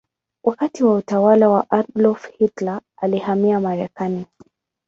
Wakati wa utawala wa Adolf Hitler alihamia Marekani.